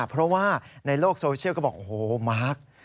เพราะว่าในโลกโซเชียลก็บอกโอ้โหมาร์ค